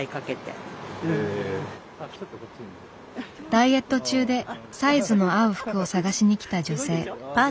ダイエット中でサイズの合う服を探しにきた女性。